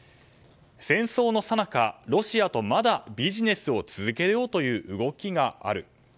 戦争のさなか、ロシアとまだビジネスを続けようという動きがある。